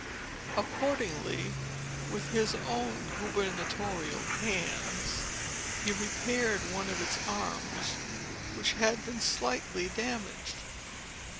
Accordingly, with his own gubernatorial hands, he repaired one of its arms, which had been slightly damaged".